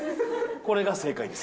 これが正解です。